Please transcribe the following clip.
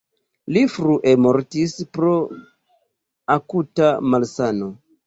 Li frue mortis pro akuta malsano.